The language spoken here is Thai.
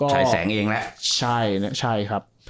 ใช้แสงเองแล้วใช่นะใช่ครับ